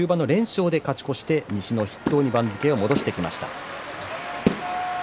終盤の連勝で勝ち越して西の筆頭に番付を戻してきました。